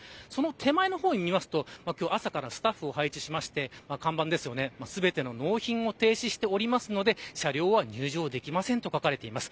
手前の方を見ると朝からスタッフを配置して全ての納品を停止しておりますので車両は入場できませんと書かれています。